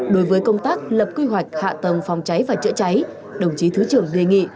đối với công tác lập quy hoạch hạ tầng phòng cháy và chữa cháy đồng chí thứ trưởng đề nghị